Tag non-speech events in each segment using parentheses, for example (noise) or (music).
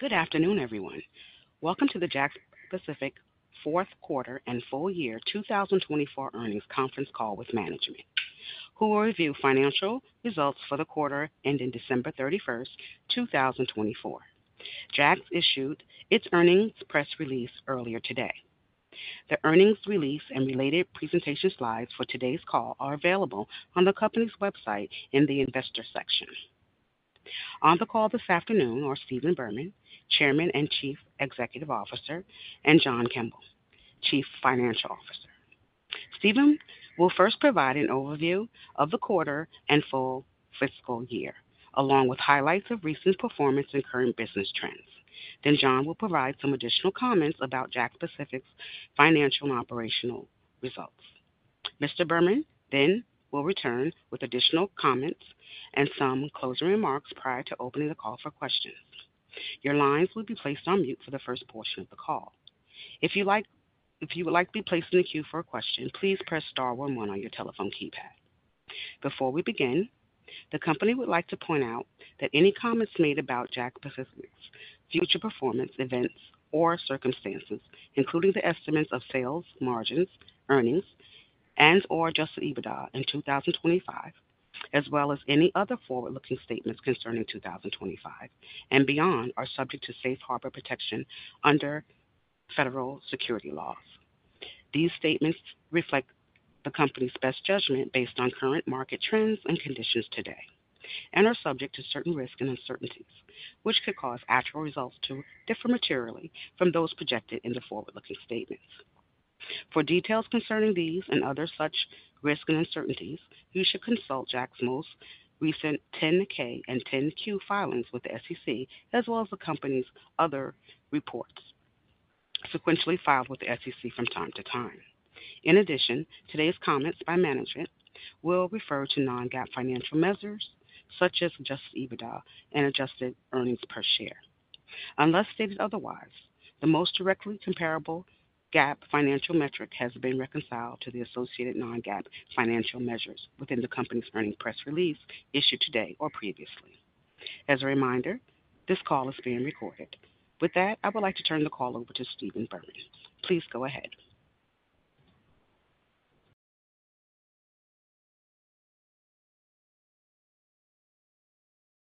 Good afternoon, everyone. Welcome to the JAKKS Pacific Fourth Quarter and full-year 2024 Earnings Conference Call with Management, who will review financial results for the quarter ending December 31st, 2024. JAKKS issued its earnings press release earlier today. The earnings release and related presentation slides for today's call are available on the company's website in the Investor section. On the call this afternoon are Stephen Berman, Chairman and Chief Executive Officer, and John Kimble, Chief Financial Officer. Stephen will first provide an overview of the quarter and full fiscal year, along with highlights of recent performance and current business trends. John will provide some additional comments about JAKKS Pacific's financial and operational results. Mr. Berman then will return with additional comments and some closing remarks prior to opening the call for questions. Your lines will be placed on mute for the first portion of the call. If you would like to be placed in the queue for a question, please press star one one on your telephone keypad. Before we begin, the company would like to point out that any comments made about JAKKS Pacific's future performance, events, or circumstances, including the estimates of sales, margins, earnings, and/or adjusted EBITDA in 2025, as well as any other forward-looking statements concerning 2025 and beyond, are subject to safe harbor protection under federal security laws. These statements reflect the company's best judgment based on current market trends and conditions today and are subject to certain risks and uncertainties, which could cause actual results to differ materially from those projected in the forward-looking statements. For details concerning these and other such risk and uncertainties, you should consult JAKKS's most recent 10-K and 10-Q filings with the SEC, as well as the company's other reports sequentially filed with the SEC from time to time. In addition, today's comments by management will refer to non-GAAP financial measures such as adjusted EBITDA and adjusted earnings per share. Unless stated otherwise, the most directly comparable GAAP financial metric has been reconciled to the associated non-GAAP financial measures within the company's earnings press release issued today or previously. As a reminder, this call is being recorded. With that, I would like to turn the call over to Stephen Berman. Please go ahead.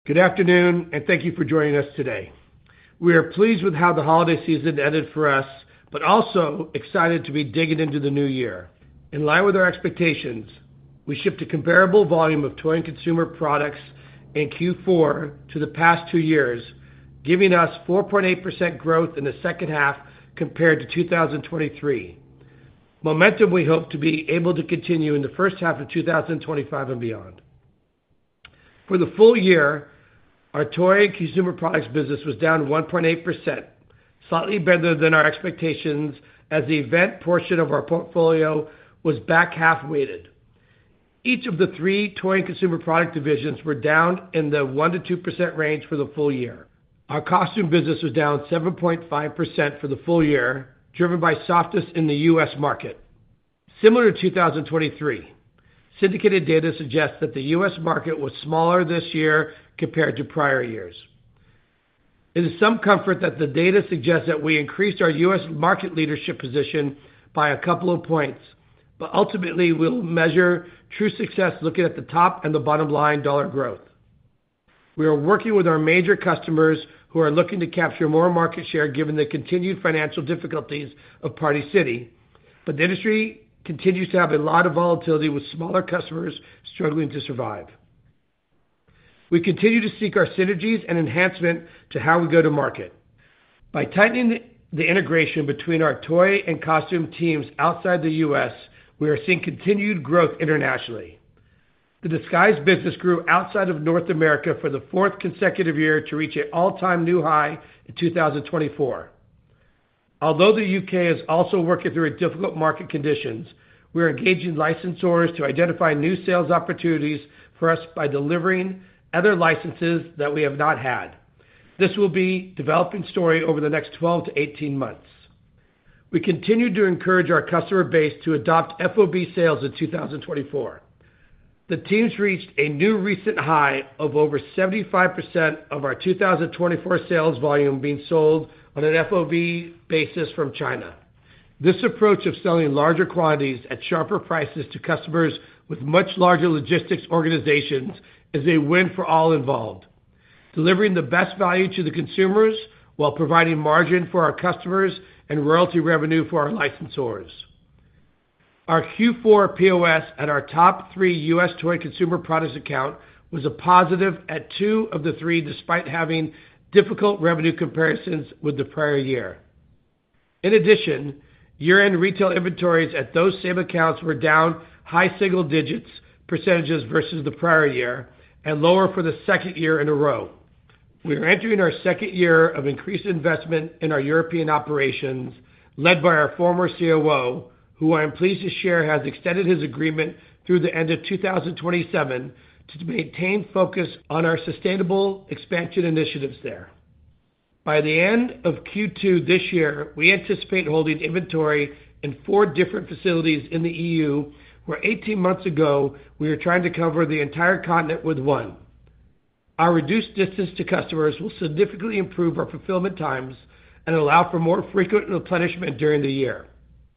Good afternoon, and thank you for joining us today. We are pleased with how the holiday season ended for us, but also excited to be digging into the new year. In line with our expectations, we shipped a comparable volume of toy and consumer products in Q4 to the past 2 years, giving us 4.8% growth in the second half compared to 2023. Momentum, we hope to be able to continue in the first half of 2025 and beyond. For the full-year, our toy and consumer products business was down 1.8%, slightly better than our expectations, as the event portion of our portfolio was back-half weighted. Each of the three toy and consumer product divisions were down in the 1%-2% range for the full-year. Our costume business was down 7.5% for the full-year, driven by softness in the US market. Similar to 2023, syndicated data suggests that the U.S. market was smaller this year compared to prior years. It is some comfort that the data suggests that we increased our US market leadership position by a 2 of points, but ultimately, we will measure true success looking at the top and the bottom line dollar growth. We are working with our major customers who are looking to capture more market share given the continued financial difficulties of Party City, but the industry continues to have a lot of volatility with smaller customers struggling to survive. We continue to seek our synergies and enhancement to how we go to market. By tightening the integration between our toy and costume teams outside the U.S., we are seeing continued growth internationally. The Disguise business grew outside of North America for the fourth consecutive year to reach an all-time new high in 2024. Although the U.K. is also working through difficult market conditions, we are engaging licensors to identify new sales opportunities for us by delivering other licenses that we have not had. This will be a developing story over the next 12 to 18 months. We continue to encourage our customer base to adopt FOB sales in 2024. The teams reached a new recent high of over 75% of our 2024 sales volume being sold on an FOB basis from China. This approach of selling larger quantities at sharper prices to customers with much larger logistics organizations is a win for all involved, delivering the best value to the consumers while providing margin for our customers and royalty revenue for our licensors. Our Q4 POS and our top three U.S. toy and consumer products account was a positive at 2 of the 3 despite having difficult revenue comparisons with the prior year. In addition, year-end retail inventories at those same accounts were down high single digits % versus the prior year and lower for the second year in a row. We are entering our second year of increased investment in our European operations led by our former COO, who I am pleased to share has extended his agreement through the end of 2027 to maintain focus on our sustainable expansion initiatives there. By the end of Q2 this year, we anticipate holding inventory in four different facilities in the EU, where 18 months ago, we were trying to cover the entire continent with one. Our reduced distance to customers will significantly improve our fulfillment times and allow for more frequent replenishment during the year.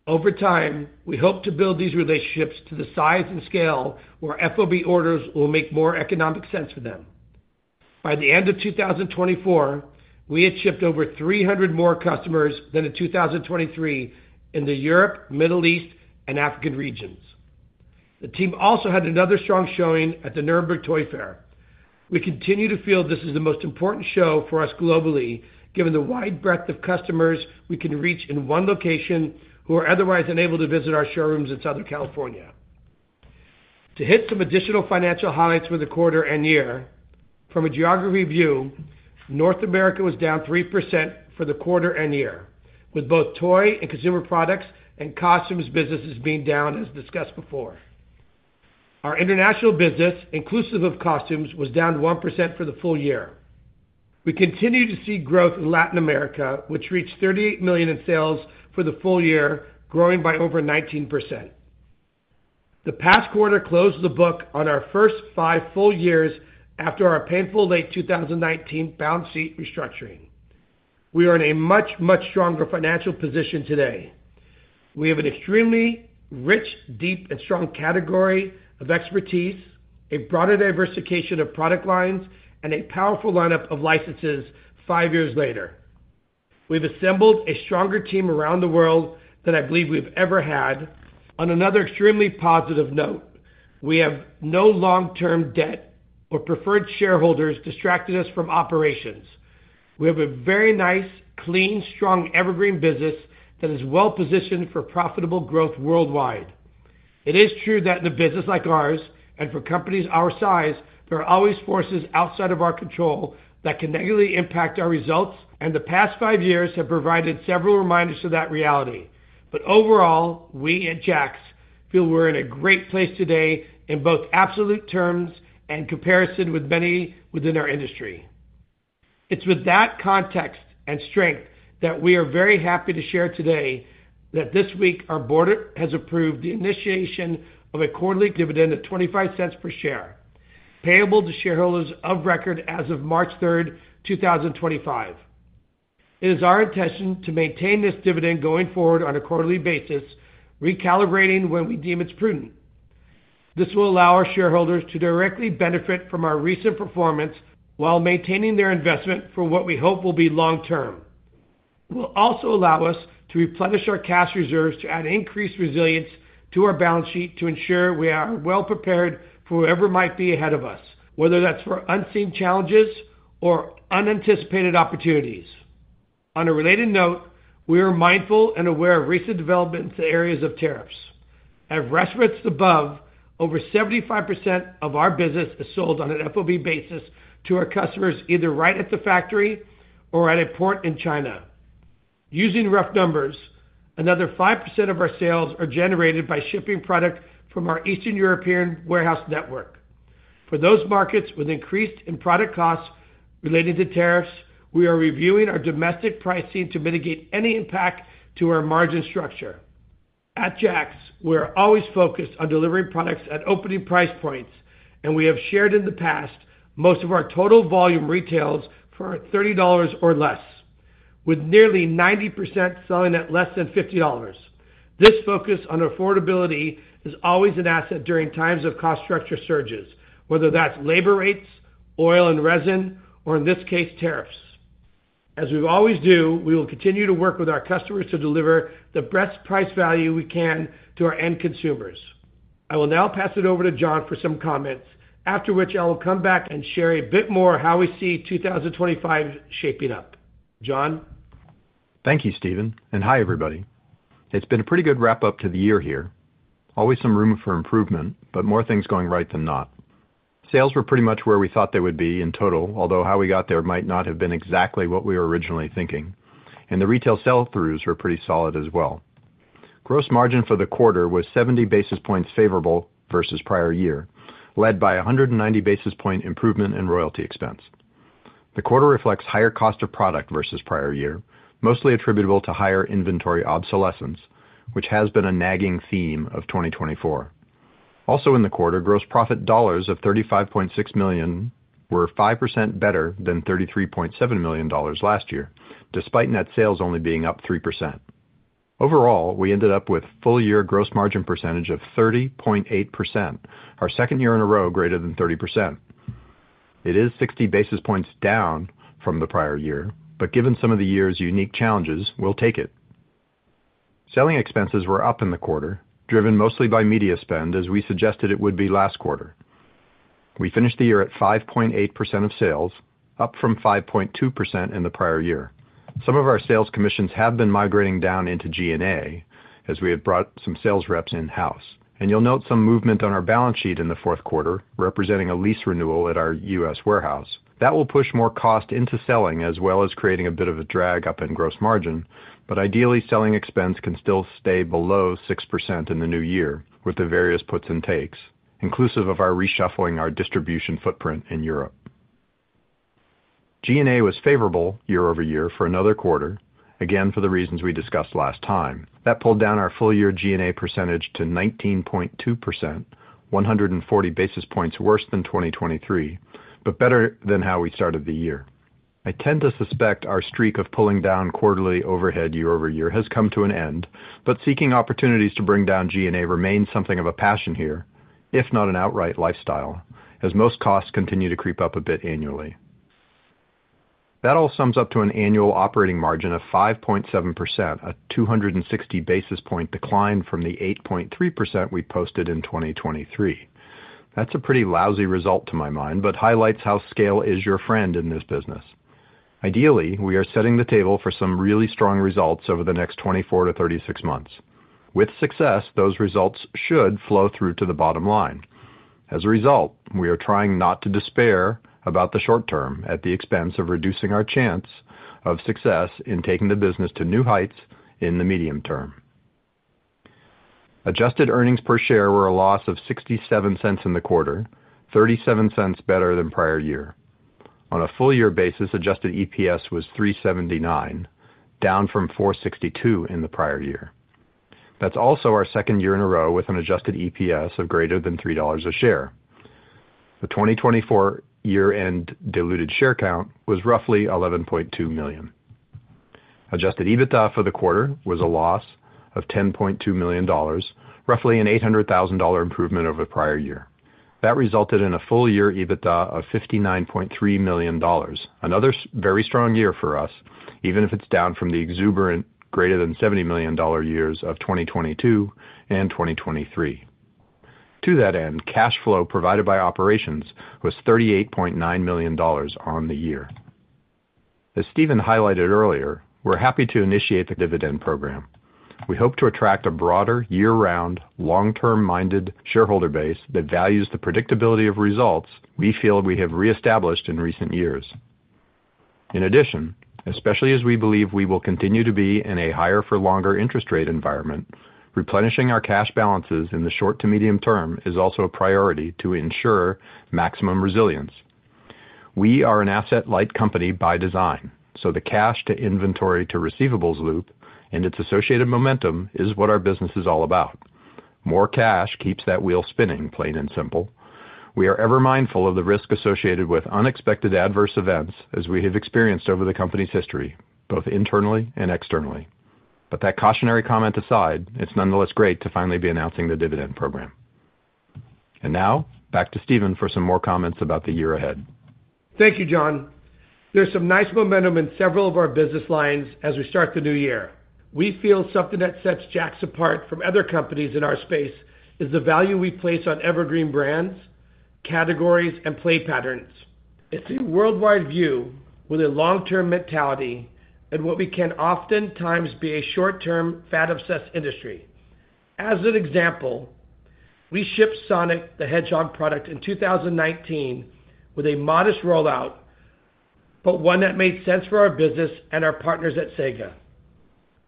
Over time, we hope to build these relationships to the size and scale where FOB orders will make more economic sense for them. By the end of 2024, we had shipped over 300 more customers than in 2023 in the Europe, Middle East, and African regions. The team also had another strong showing at the Nuremberg Toy Fair. We continue to feel this is the most important show for us globally, given the wide breadth of customers we can reach in one location who are otherwise unable to visit our showrooms in Southern California. To hit some additional financial highlights for the quarter and year, from a geography view, North America was down 3% for the quarter and year, with both toy and consumer products and costumes businesses being down as discussed before. Our international business, inclusive of costumes, was down 1% for the full-year. We continue to see growth in Latin America, which reached $38 million in sales for the full-year, growing by over 19%. The past quarter closed the book on our first 5 full-years after our painful late 2019 balance sheet restructuring. We are in a much, much stronger financial position today. We have an extremely rich, deep, and strong category of expertise, a broader diversification of product lines, and a powerful lineup of licenses five years later. We've assembled a stronger team around the world than I believe we've ever had. On another extremely positive note, we have no long-term debt or preferred shareholders distracting us from operations. We have a very nice, clean, strong evergreen business that is well-positioned for profitable growth worldwide. It is true that in a business like ours and for companies our size, there are always forces outside of our control that can negatively impact our results, and the past 5 years have provided several reminders of that reality. Overall, we at JAKKS feel we're in a great place today in both absolute terms and comparison with many within our industry. It's with that context and strength that we are very happy to share today that this week our board has approved the initiation of a quarterly dividend of $0.25 per share, payable to shareholders of record as of March 3, 2025. It is our intention to maintain this dividend going forward on a quarterly basis, recalibrating when we deem it's prudent. This will allow our shareholders to directly benefit from our recent performance while maintaining their investment for what we hope will be long-term. It will also allow us to replenish our cash reserves to add increased resilience to our balance sheet to ensure we are well-prepared for whatever might be ahead of us, whether that's for unseen challenges or unanticipated opportunities. On a related note, we are mindful and aware of recent developments in the areas of tariffs. As referenced above, over 75% of our business is sold on an FOB basis to our customers either right at the factory or at a port in China. Using rough numbers, another 5% of our sales are generated by shipping product from our Eastern European warehouse network. For those markets with increased product costs related to tariffs, we are reviewing our domestic pricing to mitigate any impact to our margin structure. At JAKKS, we are always focused on delivering products at opening price points, and we have shared in the past most of our total volume retails for $30 or less, with nearly 90% selling at less than $50. This focus on affordability is always an asset during times of cost structure surges, whether that's labor rates, oil and resin, or in this case, tariffs. As we always do, we will continue to work with our customers to deliver the best price value we can to our end consumers. I will now pass it over to John for some comments, after which I will come back and share a bit more how we see 2025 shaping up. John? Thank you, Stephen. Hi, everybody. It's been a pretty good wrap-up to the year here. Always some room for improvement, but more things going right than not. Sales were pretty much where we thought they would be in total, although how we got there might not have been exactly what we were originally thinking. The retail sell-throughs were pretty solid as well. Gross margin for the quarter was 70 basis points favorable versus prior year, led by 190 basis point improvement in royalty expense. The quarter reflects higher cost of product versus prior year, mostly attributable to higher inventory obsolescence, which has been a nagging theme of 2024. Also, in the quarter, gross profit dollars of $35.6 million were 5% better than $33.7 million last year, despite net sales only being up 3%. Overall, we ended up with full-year gross margin percentage of 30.8%, our second year in a row greater than 30%. It is 60 basis points down from the prior year, but given some of the year's unique challenges, we'll take it. Selling expenses were up in the quarter, driven mostly by media spend, as we suggested it would be last quarter. We finished the year at 5.8% of sales, up from 5.2% in the prior year. Some of our sales commissions have been migrating down into G&A as we have brought some sales reps in-house. You will note some movement on our balance sheet in the fourth quarter, representing a lease renewal at our U.S. warehouse. That will push more cost into selling as well as creating a bit of a drag up in gross margin, but ideally, selling expense can still stay below 6% in the new year with the various puts and takes, inclusive of our reshuffling our distribution footprint in Europe. G&A was favorable year-over-year for another quarter, again for the reasons we discussed last time. That pulled down our full-year G&A percentage to 19.2%, 140 basis points worse than 2023, but better than how we started the year. I tend to suspect our streak of pulling down quarterly overhead year-over-year has come to an end, but seeking opportunities to bring down G&A remains something of a passion here, if not an outright lifestyle, as most costs continue to creep up a bit annually. That all sums up to an annual operating margin of 5.7%, a 260 basis point decline from the 8.3% we posted in 2023. That's a pretty lousy result to my mind, but highlights how scale is your friend in this business. Ideally, we are setting the table for some really strong results over the next 24-36 months. With success, those results should flow through to the bottom line. As a result, we are trying not to despair about the short term at the expense of reducing our chance of success in taking the business to new heights in the medium term. Adjusted earnings per share were a loss of $0.67 in the quarter, $0.37 better than prior year. On a full-year basis, adjusted EPS was $3.79, down from $4.62 in the prior year. That's also our second year in a row with an adjusted EPS of greater than $3 a share. The 2024 year-end diluted share count was roughly 11.2 million. Adjusted EBITDA for the quarter was a loss of $10.2 million, roughly an $800,000 improvement over the prior year. That resulted in a full-year EBITDA of $59.3 million, another very strong year for us, even if it's down from the exuberant greater than $70 million years of 2022 and 2023. To that end, cash flow provided by operations was $38.9 million on the year. As Stephen highlighted earlier, we're happy to initiate the dividend program. We hope to attract a broader, year-round, long-term-minded shareholder base that values the predictability of results we feel we have reestablished in recent years. In addition, especially as we believe we will continue to be in a higher-for-longer interest rate environment, replenishing our cash balances in the short to medium term is also a priority to ensure maximum resilience. We are an asset-light company by design, so the cash-to-inventory-to-receivables loop and its associated momentum is what our business is all about. More cash keeps that wheel spinning, plain and simple. We are ever mindful of the risk associated with unexpected adverse events, as we have experienced over the company's history, both internally and externally. That cautionary comment aside, it's nonetheless great to finally be announcing the dividend program. Now, back to Stephen for some more comments about the year ahead. Thank you, John. There's some nice momentum in several of our business lines as we start the new year. We feel something that sets JAKKS apart from other companies in our space is the value we place on evergreen brands, categories, and play patterns. It's a worldwide view with a long-term mentality in what can oftentimes be a short-term fad-obsessed industry. As an example, we shipped Sonic the Hedgehog product in 2019 with a modest rollout, but one that made sense for our business and our partners at Sega.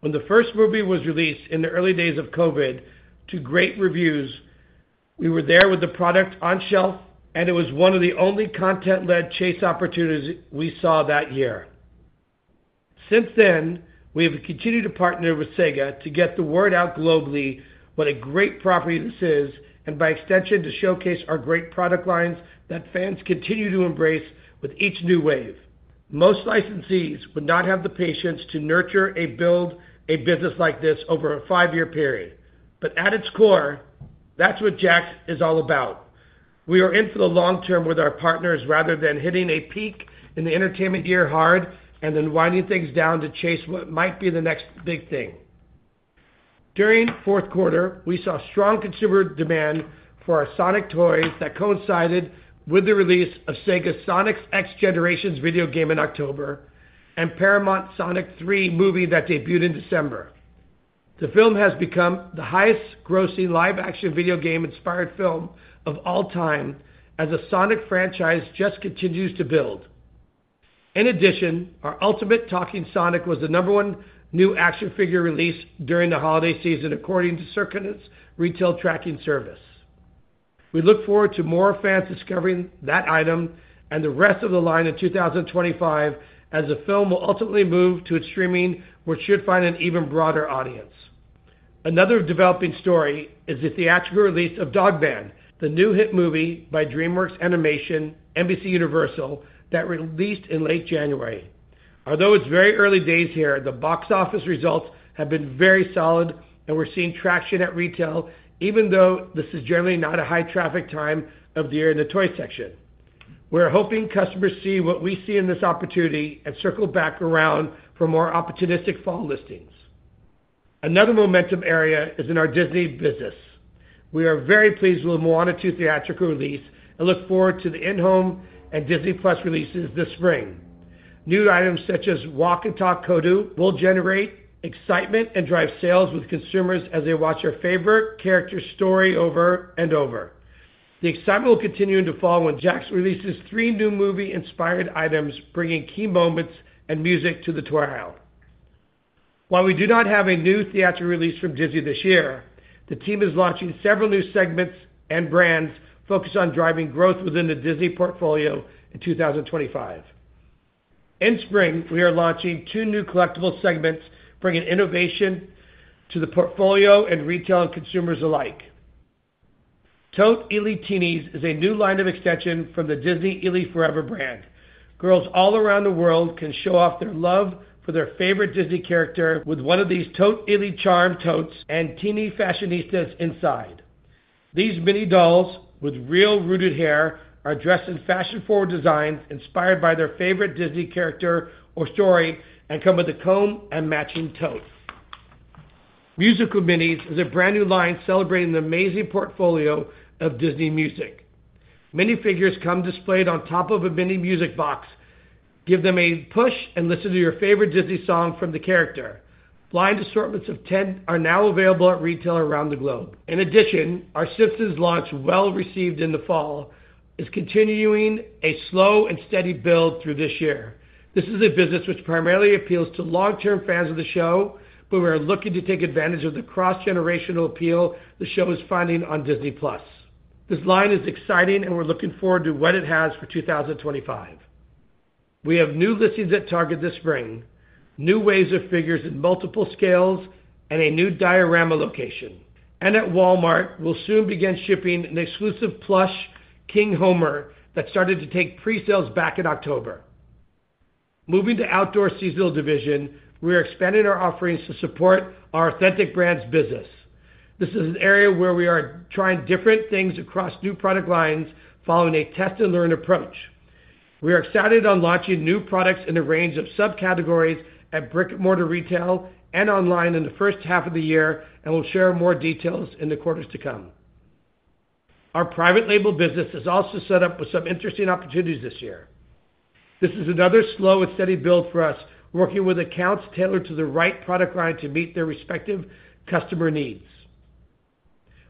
When the 1st movie was released in the early days of COVID, to great reviews, we were there with the product on shelf, and it was one of the only content-led chase opportunities we saw that year. Since then, we have continued to partner with Sega to get the word out globally what a great property this is, and by extension, to showcase our great product lines that fans continue to embrace with each new wave. Most licensees would not have the patience to nurture and build a business like this over a 5-year period. At its core, that's what JAKKS is all about. We are in for the long term with our partners rather than hitting a peak in the entertainment year hard and then winding things down to chase what might be the next big thing. During fourth quarter, we saw strong consumer demand for our Sonic toys that coincided with the release of Sega's Sonic X Generations video game in October and Paramount's Sonic 3 movie that debuted in December. The film has become the highest-grossing live-action video game-inspired film of all time as the Sonic franchise just continues to build. In addition, our Ultimate Talking Sonic was the number one new action figure release during the holiday season, according to Circana Retail Tracking Service. We look forward to more fans discovering that item and the rest of the line in 2025 as the film will ultimately move to its streaming, which should find an even broader audience. Another developing story is the theatrical release of Dog Man, the new hit movie by DreamWorks Animation, NBC Universal, that released in late January. Although it is very early days here, the box office results have been very solid, and we are seeing traction at retail, even though this is generally not a high-traffic time of the year in the toy section. We're hoping customers see what we see in this opportunity and circle back around for more opportunistic fall listings. Another momentum area is in our Disney business. We are very pleased with the Moana 2 theatrical release and look forward to the in-home and Disney+ releases this spring. New items such as Walk and Talk Codu will generate excitement and drive sales with consumers as they watch our favorite character's story over and over. The excitement will continue to fall when JAKKS releases three new movie-inspired items, bringing key moments and music to the toy aisle. While we do not have a new theatrical release from Disney this year, the team is launching several new segments and brands focused on driving growth within the Disney portfolio in 2025. In spring, we are launching 2 new collectible segments, bringing innovation to the portfolio and retail and consumers alike. Tote-ily Teenies is a new line of extension from the Disney ily 4EVER brand. Girls all around the world can show off their love for their favorite Disney character with one of these Tot-ily Charm totes and Teenie Fashionistas inside. These mini dolls with real rooted hair are dressed in fashion-forward designs inspired by their favorite Disney character or story and come with a comb and matching tote. Musical Minis is a brand-new line celebrating the amazing portfolio of Disney music. Mini figures come displayed on top of a mini music box. Give them a push and listen to your favorite Disney song from the character. Blind assortments of 10 are now available at retail around the globe. In addition, our Simpsons launch, well-received in the fall, is continuing a slow and steady build through this year. This is a business which primarily appeals to long-term fans of the show, but we are looking to take advantage of the cross-generational appeal the show is finding on Disney+. This line is exciting, and we're looking forward to what it has for 2025. We have new listings at Target this spring, new waves of figures in multiple scales, and a new diorama location. At Walmart, we'll soon begin shipping an exclusive plush King Homer that started to take pre-sales back in October. Moving to outdoor seasonal division, we are expanding our offerings to support our Authentic Brands business. This is an area where we are trying different things across new product lines following a test-and-learn approach. We are excited on launching new products in a range of subcategories at brick-and-mortar retail and online in the first half of the year, and we'll share more details in the quarters to come. Our private label business is also set up with some interesting opportunities this year. This is another slow and steady build for us, working with accounts tailored to the right product line to meet their respective customer needs.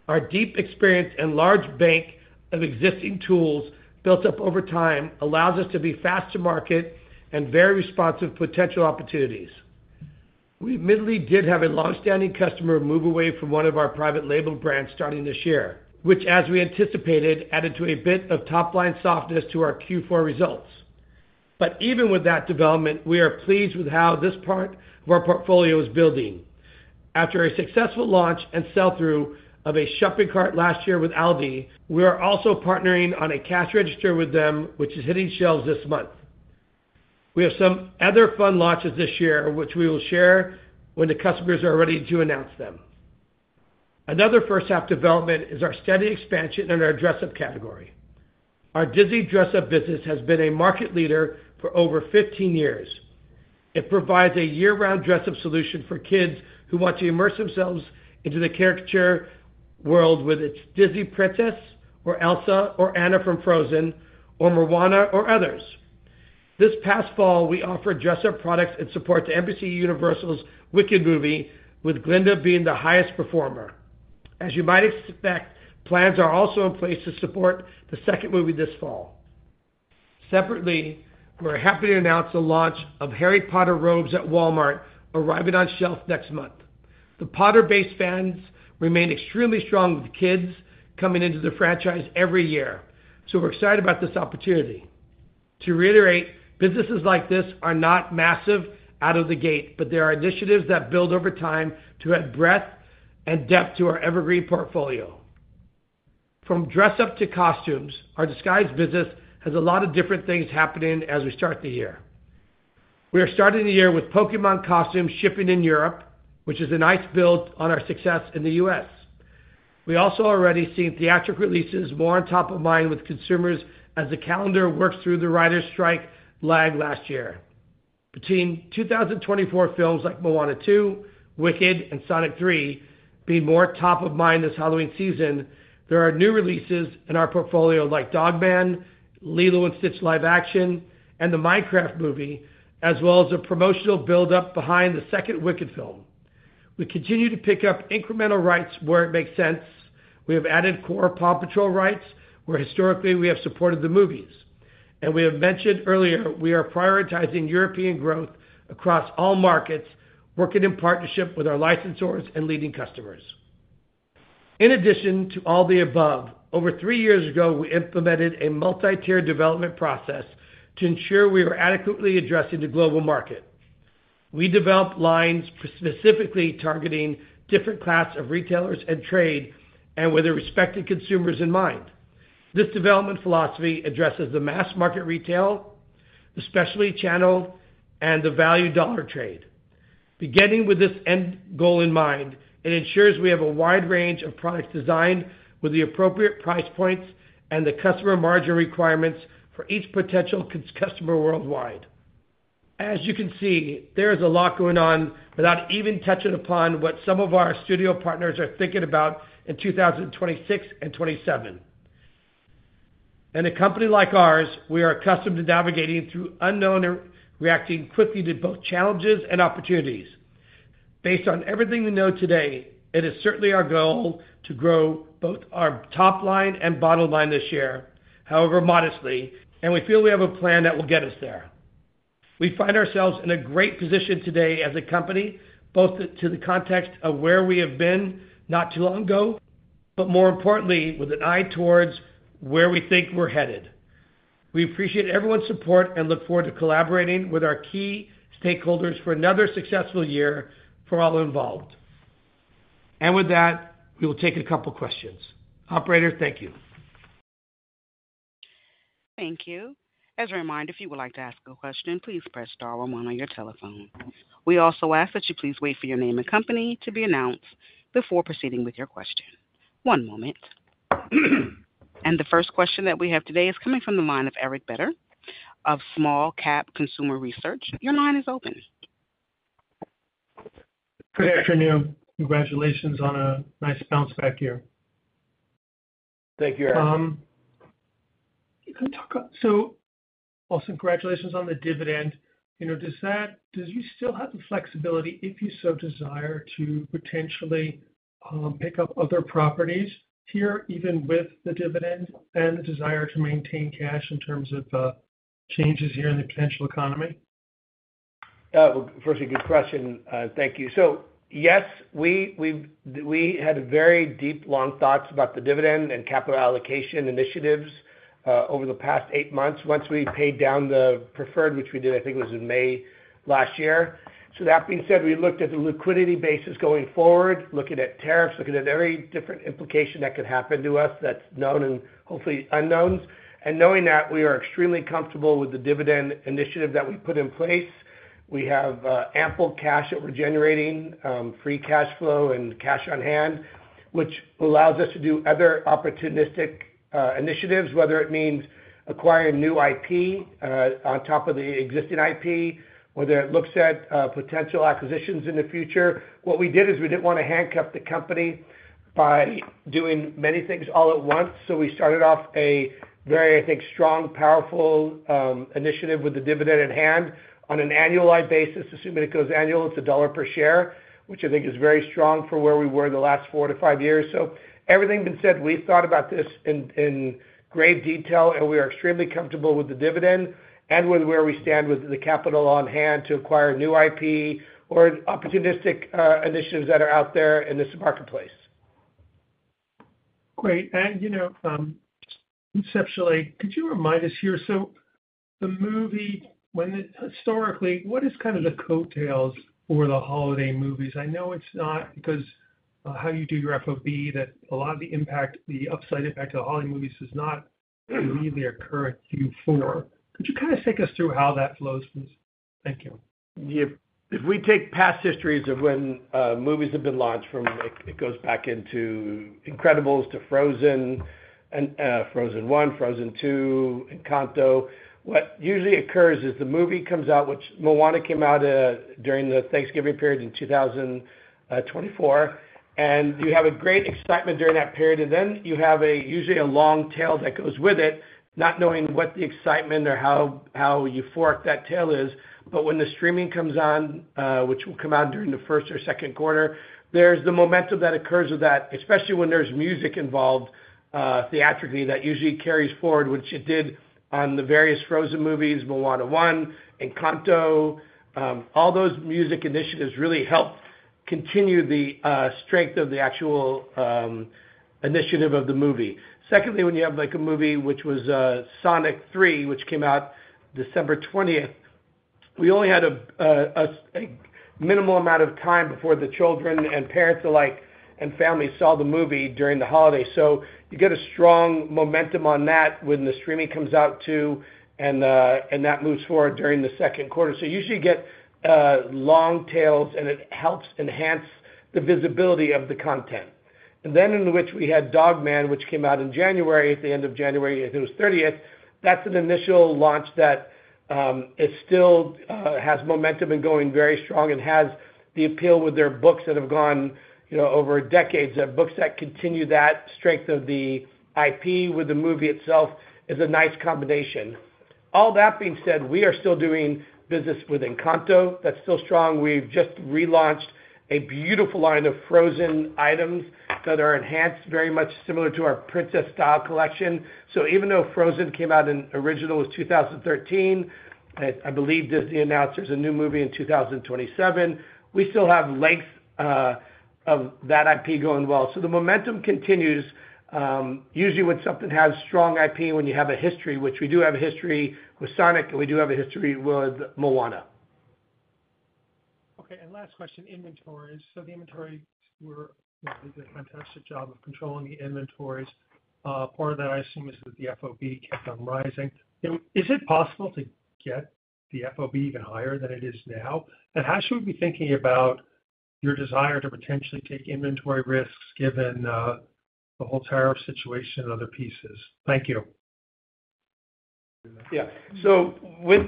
Our deep experience and large bank of existing tools built up over time allows us to be fast to market and very responsive to potential opportunities. We admittedly did have a long-standing customer move away from one of our private label brands starting this year, which, as we anticipated, added to a bit of top-line softness to our Q4 results. Even with that development, we are pleased with how this part of our portfolio is building. After a successful launch and sell-through of a shopping cart last year with Aldi, we are also partnering on a cash register with them, which is hitting shelves this month. We have some other fun launches this year, which we will share when the customers are ready to announce them. Another first-half development is our steady expansion in our dress-up category. Our Disney dress-up business has been a market leader for over 15 years. It provides a year-round dress-up solution for kids who want to immerse themselves into the character world with its Disney princess, or Elsa, or Anna from Frozen, or Moana, or others. This past fall, we offered dress-up products in support to NBC Universal's Wicked movie, with Glinda being the highest performer. As you might expect, plans are also in place to support the second movie this fall. Separately, we're happy to announce the launch of Harry Potter robes at Walmart, arriving on shelf next month. The Potter-based fans remain extremely strong with kids coming into the franchise every year, so we're excited about this opportunity. To reiterate, businesses like this are not massive out of the gate, but there are initiatives that build over time to add breadth and depth to our evergreen portfolio. From dress-up to costumes, our Disguise business has a lot of different things happening as we start the year. We are starting the year with Pokémon costumes shipping in Europe, which is a nice build on our success in the U.S. We also are already seeing theatrical releases more on top of mind with consumers as the calendar works through the writer's strike lag last year. Between 2024 films like Moana 2, Wicked, and Sonic 3 being more top of mind this Halloween season, there are new releases in our portfolio like Dog Man, Lilo & Stitch live-action, and the Minecraft movie, as well as a promotional build-up behind the 2nd Wicked film. We continue to pick up incremental rights where it makes sense. We have added core Paw Patrol rights where historically we have supported the movies. As we have mentioned earlier, we are prioritizing European growth across all markets, working in partnership with our licensors and leading customers. In addition to all the above, over 3 years ago, we implemented a multi-tier development process to ensure we were adequately addressing the global market. We developed lines specifically targeting different classes of retailers and trade and with the respected consumers in mind. This development philosophy addresses the mass-market retail, the specially channeled, and the value dollar trade. Beginning with this end goal in mind, it ensures we have a wide range of products designed with the appropriate price points and the customer margin requirements for each potential customer worldwide. As you can see, there is a lot going on without even touching upon what some of our studio partners are thinking about in 2026 and 2027. In a company like ours, we are accustomed to navigating through unknown and reacting quickly to both challenges and opportunities. Based on everything we know today, it is certainly our goal to grow both our top line and bottom line this year, however modestly, and we feel we have a plan that will get us there. We find ourselves in a great position today as a company, both to the context of where we have been not too long ago, but more importantly, with an eye towards where we think we're headed. We appreciate everyone's support and look forward to collaborating with our key stakeholders for another successful year for all involved. With that, we will take a 2 of questions. Operator, thank you. Thank you. As a reminder, if you would like to ask a question, please press star or one on your telephone. We also ask that you please wait for your name and company to be announced before proceeding with your question. One moment. The 1st question that we have today is coming from the line of Eric Beder of Small Cap Consumer Research. Your line is open. Good afternoon. Congratulations on a nice bounce-back year. Thank you, Eric. Awesome. Congratulations on the dividend. Do you still have the flexibility, if you so desire, to potentially pick up other properties here, even with the dividend, and the desire to maintain cash in terms of changes here in the potential economy? That was a good question. Thank you. Yes, we had very deep, long thoughts about the dividend and capital allocation initiatives over the past eight months once we paid down the preferred, which we did, I think it was in May last year. That being said, we looked at the liquidity basis going forward, looking at tariffs, looking at every different implication that could happen to us that's known and hopefully unknown. Knowing that, we are extremely comfortable with the dividend initiative that we put in place. We have ample cash that we're generating, free cash flow, and cash on hand, which allows us to do other opportunistic initiatives, whether it means acquiring new IP on top of the existing IP, whether it looks at potential acquisitions in the future. What we did is we did not want to handcuff the company by doing many things all at once. We started off a very, I think, strong, powerful initiative with the dividend in hand on an annualized basis. Assuming it goes annual, it is $1 per share, which I think is very strong for where we were the last four to five years. Everything being said, we thought about this in great detail, and we are extremely comfortable with the dividend and with where we stand with the capital on hand to acquire new IP or opportunistic initiatives that are out there in this marketplace. Great. Conceptually, could you remind us here? The movie, historically, what is kind of the coattails for the holiday movies? I know it is not because how you do your FOB, that a lot of the upside impact of the holiday movies does not really occur in Q4. Could you kind of take us through how that flows, please? Thank you. If we take past histories of when movies have been launched from, it goes back into Incredibles to Frozen, Frozen 1, Frozen 2, Encanto. What usually occurs is the movie comes out, which Moana came out during the Thanksgiving period in 2024, and you have a great excitement during that period. You have usually a long tail that goes with it, not knowing what the excitement or how euphoric that tail is. When the streaming comes on, which will come out during the first or second quarter, there's the momentum that occurs with that, especially when there's music involved theatrically that usually carries forward, which it did on the various Frozen movies, Moana 1, Encanto. All those music initiatives really helped continue the strength of the actual initiative of the movie. Secondly, when you have a movie, which was Sonic 3, which came out December 20th, we only had a minimal amount of time before the children and parents alike and families saw the movie during the holiday. You get a strong momentum on that when the streaming comes out too, and that moves forward during the second quarter. You usually get long tails, and it helps enhance the visibility of the content. In which we had Dog Man, which came out in January, at the end of January, it was the 30th. That is an initial launch that still has momentum and going very strong and has the appeal with their books that have gone over decades. The books that continue that strength of the IP with the movie itself is a nice combination. All that being said, we are still doing business with Encanto. That is still strong. We've just relaunched a beautiful line of Frozen items that are enhanced very much similar to our Princess Style Collection. Even though Frozen came out in original was 2013, I believe Disney announced there's a new movie in 2027, we still have length of that IP going well. The momentum continues. Usually, when something has strong IP, when you have a history, which we do have a history with Sonic, and we do have a history with Moana. Okay. Last question, inventories. The inventory were a fantastic job of controlling the inventories. Part of that, I assume, is that the FOB kept on rising. Is it possible to get the FOB even higher than it is now? How should we be thinking about your desire to potentially take inventory risks given the whole tariff situation and other pieces? Thank you. Yeah. With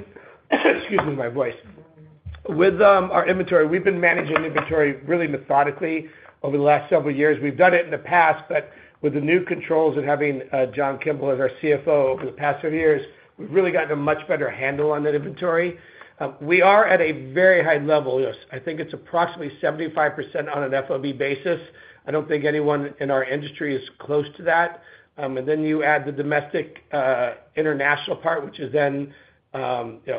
our inventory, we've been managing inventory really methodically over the last several years. We've done it in the past, but with the new controls and having John Kimble as our CFO over the past several years, we've really gotten a much better handle on that inventory. We are at a very high level. I think it's approximately 75% on an FOB basis. I don't think anyone in our industry is close to that. You add the domestic international part, which is then 80%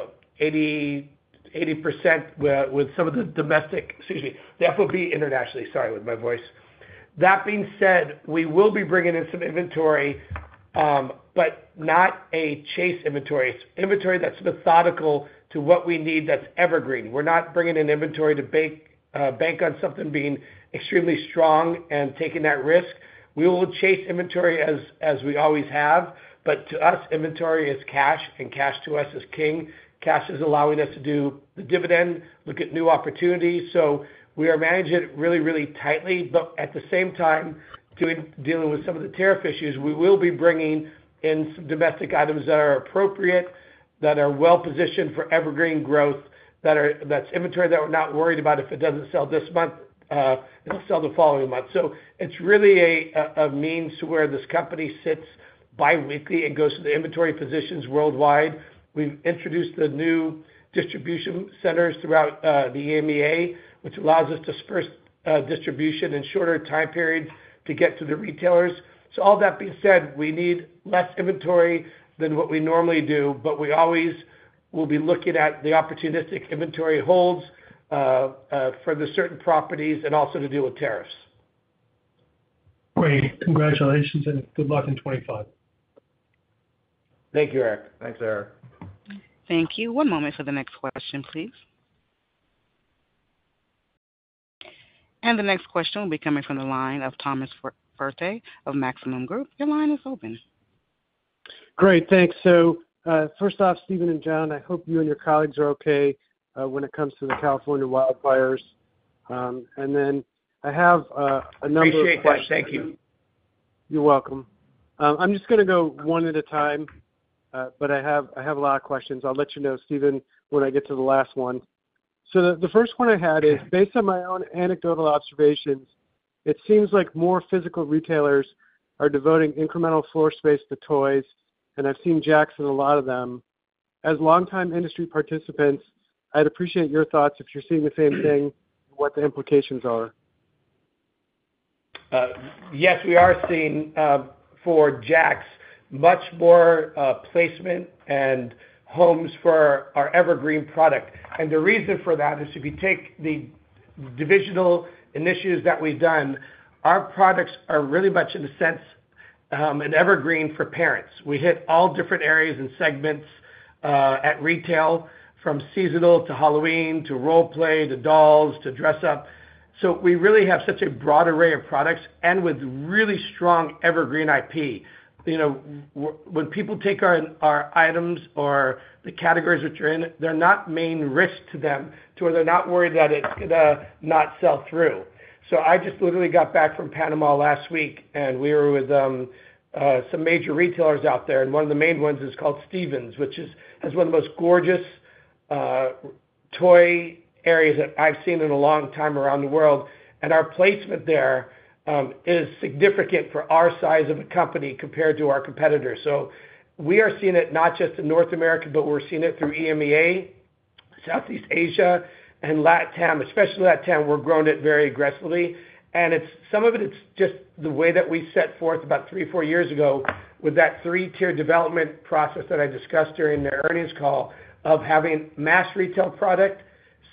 with some of the domestic, the FOB internationally. Sorry, my voice. That being said, we will be bringing in some inventory, but not a chase inventory. It's inventory that's methodical to what we need that's evergreen. We're not bringing in inventory to bank on something being extremely strong and taking that risk. We will chase inventory as we always have. To us, inventory is cash, and cash to us is king. Cash is allowing us to do the dividend, look at new opportunities. We are managing it really, really tightly. At the same time, dealing with some of the tariff issues, we will be bringing in some domestic items that are appropriate, that are well-positioned for evergreen growth. That is inventory that we are not worried about; if it does not sell this month, it will sell the following month. It is really a means to where this company sits biweekly and goes to the inventory positions worldwide. We have introduced the new distribution centers throughout the EMEA, which allows us to disperse distribution in shorter time periods to get to the retailers. All that being said, we need less inventory than what we normally do, but we always will be looking at the opportunistic inventory holds for the certain properties and also to deal with tariffs. Great. Congratulations and good luck in 2025. Thank you, Eric. Thanks, Eric. Thank you. One moment for the next question, please. The next question will be coming from the line of Thomas Forte of Maxim Group. Your line is open. Great. Thanks. First off, Stephen and John, I hope you and your colleagues are okay when it comes to the California wildfires. I have a (crosstalk) number of questions. Appreciate it. Thank you. You're welcome. I'm just going to go one at a time, but I have a lot of questions. I'll let you know, Stephen, when I get to the last one. The first one I had is based on my own anecdotal observations, it seems like more physical retailers are devoting incremental floor space to toys, and I've seen JAKKS in a lot of them. As long-time industry participants, I'd appreciate your thoughts if you're seeing the same thing and what the implications are. Yes, we are seeing for JAKKS much more placement and homes for our evergreen product. The reason for that is if you take the divisional initiatives that we've done, our products are really much in the sense an evergreen for parents. We hit all different areas and segments at retail from seasonal to Halloween to role-play to dolls to dress-up. We really have such a broad array of products and with really strong evergreen IP. When people take our items or the categories which are in, they're not main risk to them to where they're not worried that it's going to not sell through. I just literally got back from Panama last week, and we were with some major retailers out there. One of the main ones is called Stevens, which has one of the most gorgeous toy areas that I've seen in a long time around the world. Our placement there is significant for our size of a company compared to our competitors. We are seeing it not just in North America, but we're seeing it through EMEA, Southeast Asia, and Latin America. Especially Latin America, we're growing it very aggressively. Some of it is just the way that we set forth about 3 or 4 years ago with that 3-tier development process that I discussed during the earnings call of having mass retail product,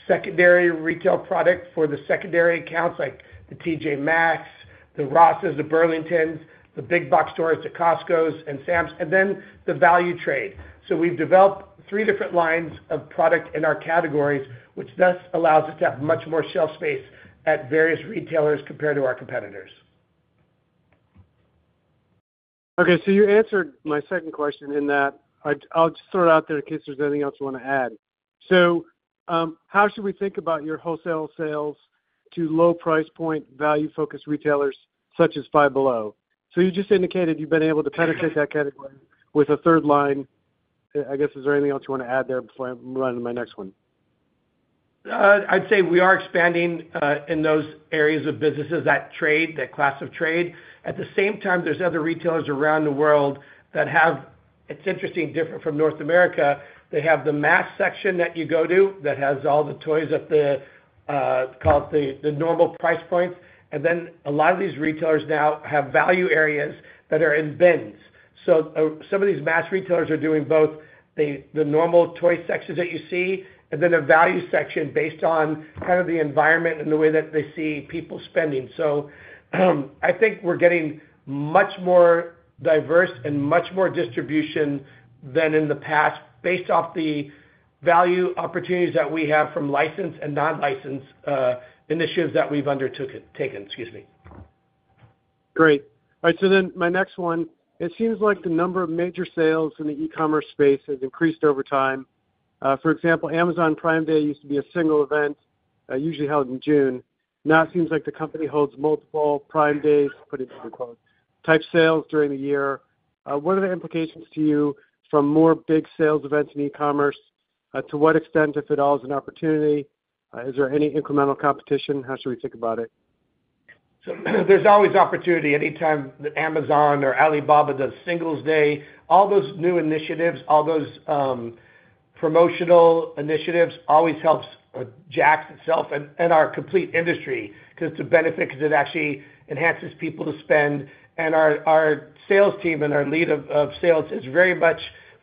secondary retail product for the secondary accounts like the TJ Maxx, the Ross, the Burlington, the big-box stores to Costco and Sam's, and then the value trade. We have developed three different lines of product in our categories, which thus allows us to have much more shelf space at various retailers compared to our competitors. Okay. You answered my 2nd question in that. I'll just throw it out there in case there's anything else you want to add. How should we think about your wholesale sales to low-price point value-focused retailers such as Five Below? You just indicated you've been able to penetrate that category with a third line. I guess, is there anything else you want to add there before I run into my next one? I'd say we are expanding in those areas of businesses that trade, that class of trade. At the same time, there's other retailers around the world that have, it's interesting, different from North America. They have the mass section that you go to that has all the toys at the, call it the normal price points. Then a lot of these retailers now have value areas that are in bins. Some of these mass retailers are doing both the normal toy sections that you see and then a value section based on kind of the environment and the way that they see people spending. I think we're getting much more diverse and much more distribution than in the past based off the value opportunities that we have from licensed and non-licensed initiatives that we've undertaken. Excuse me. Great. All right. My next one, it seems like the number of major sales in the e-commerce space has increased over time. For example, Amazon Prime Day used to be a single event, usually held in June. Now it seems like the company holds multiple Prime Days, quote, type sales during the year. What are the implications to you from more big sales events in e-commerce? To what extent, if at all, is it an opportunity? Is there any incremental competition? How should we think about it? There's always opportunity anytime that Amazon or Alibaba does Singles' Day. All those new initiatives, all those promotional initiatives always helps JAKKS itself and our complete industry to benefit because it actually enhances people to spend. Our sales team and our lead of sales is very much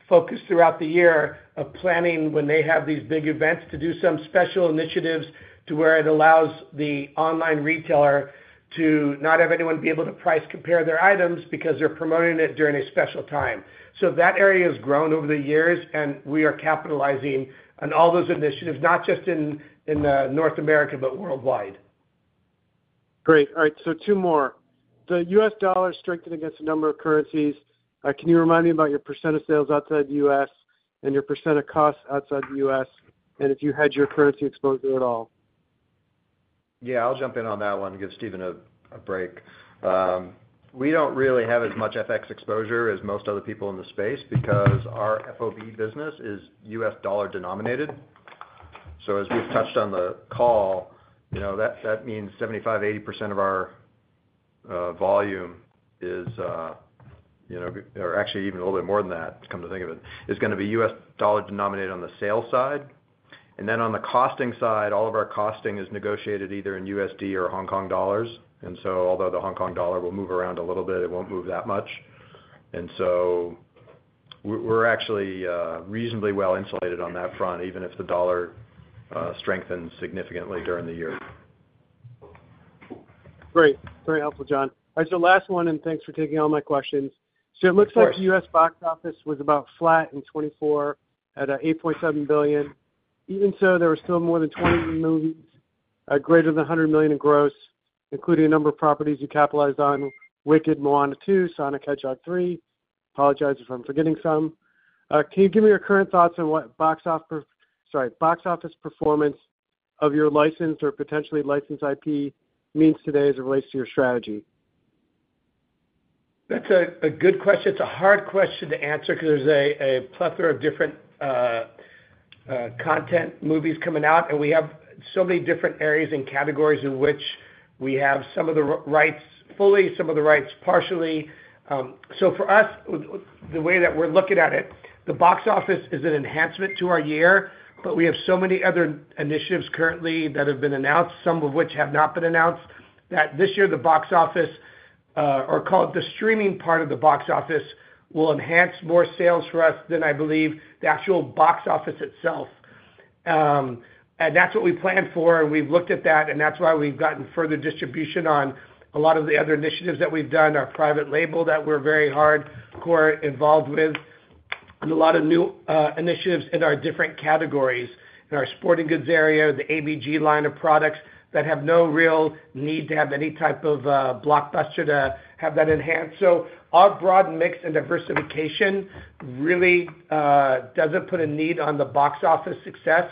focused throughout the year of planning when they have these big events to do some special initiatives to where it allows the online retailer to not have anyone be able to price compare their items because they're promoting it during a special time. That area has grown over the years, and we are capitalizing on all those initiatives, not just in North America, but worldwide. Great. All right. Two more. The U.S. dollar has strengthened against a number of currencies. Can you remind me about your percent of sales outside the U.S. and your percent of costs outside the U.S.? And if you had your currency exposure at all? Yeah. I'll jump in on that one and give Stephen a break. We don't really have as much FX exposure as most other people in the space because our FOB business is U.S. dollar denominated. As we've touched on the call, that means 75-80% of our volume is, or actually even a little bit more than that, come to think of it, is going to be U.S. dollar denominated on the sales side. Then on the costing side, all of our costing is negotiated either in USD or HKD. Although the HKD will move around a little bit, it won't move that much. We're actually reasonably well insulated on that front, even if the dollar strengthens significantly during the year. Great. Very helpful, John. All right. Last one, and thanks for taking all my questions. It looks like U.S. box office was about flat in 2024 at $8.7 billion. Even so, there were still more than 20 movies, greater than $100 million in gross, including a number of properties you capitalized on, Wicked, Moana 2, Sonic, Hedgehog 3. Apologize if I'm forgetting some. Can you give me your current thoughts on what box office performance of your licensed or potentially licensed IP means today as it relates to your strategy? That's a good question. It's a hard question to answer because there's a plethora of different content movies coming out, and we have so many different areas and categories in which we have some of the rights fully, some of the rights partially. For us, the way that we're looking at it, the box office is an enhancement to our year, but we have so many other initiatives currently that have been announced, some of which have not been announced, that this year the box office, or call it the streaming part of the box office, will enhance more sales for us than I believe the actual box office itself. That is what we planned for, and we have looked at that, and that is why we have gotten further distribution on a lot of the other initiatives that we have done, our private label that we are very hardcore involved with, and a lot of new initiatives in our different categories. In our sporting goods area, the ABG line of products that have no real need to have any type of blockbuster to have that enhanced. Our broad mix and diversification really does not put a need on the box office success,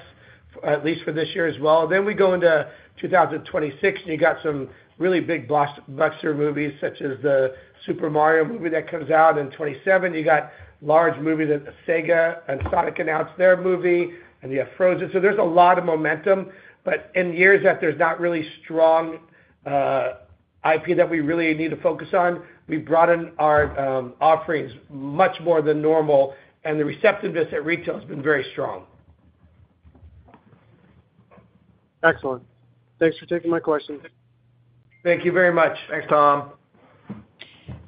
at least for this year as well. We go into 2026, and you have some really big blockbuster movies such as the Super Mario movie that comes out in 2027. You have large movies that Sega and Sonic announced their movie, and you have Frozen. There is a lot of momentum, but in years that there is not really strong IP that we really need to focus on, we broaden our offerings much more than normal, and the receptiveness at retail has been very strong. Excellent. Thanks for taking my questions. Thank you very much. Thanks, Tom.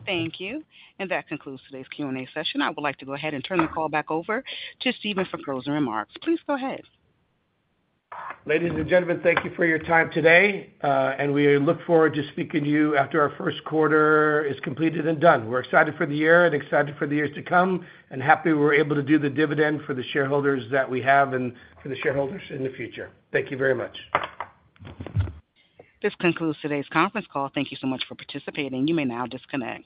Thank you. That concludes today's Q&A session. I would like to go ahead and turn the call back over to Stephen for closing remarks. Please go ahead. Ladies and gentlemen, thank you for your time today, and we look forward to speaking to you after our first quarter is completed and done. We're excited for the year and excited for the years to come and happy we were able to do the dividend for the shareholders that we have and for the shareholders in the future. Thank you very much. This concludes today's conference call. Thank you so much for participating. You may now disconnect.